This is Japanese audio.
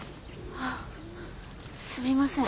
あすみません。